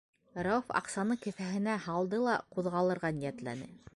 Рәүеф аҡсаны кеҫәһенә һалды ла ҡуҙғалырға ниәтләне.